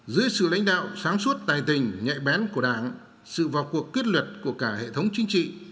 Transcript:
dưới sự lãnh đạo sáng suốt tài tình nhạy bén của đảng sự vào cuộc quyết liệt của cả hệ thống chính trị